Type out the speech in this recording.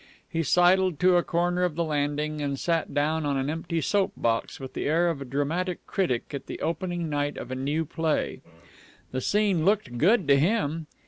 He sidled to a corner of the landing, and sat down on an empty soap box with the air of a dramatic critic at the opening night of a new play. The scene looked good to him.